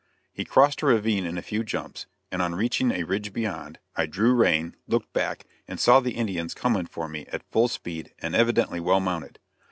He crossed a ravine in a few jumps, and on reaching a ridge beyond, I drew rein, looked back and saw the Indians coming for me at full speed and evidently well mounted.